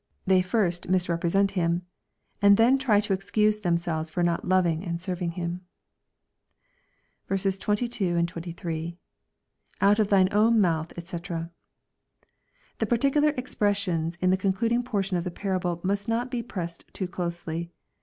They first misrepresent Him, and then try to excuse them selves for not loving and serving Him. 22, 23. —[ Out of ihine own mouthy dbc,] The particular expressions in the concluding portion of the parable must not be pressed too closely.